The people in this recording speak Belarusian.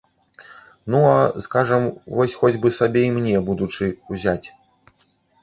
Ну, а, скажам, вось хоць бы сабе і мяне, будучы, узяць.